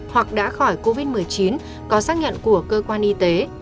hoặc đã khỏi covid một mươi chín có xác nhận của cơ quan y tế